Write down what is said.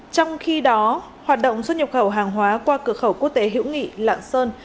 trong khi đó hoạt động xuất nhập khẩu hàng hóa qua cửa khẩu quốc tế hữu nghị lạng sơn